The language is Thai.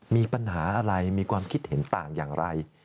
มีปัญหาอะไรมีความคิดเห็นต่างอย่างไร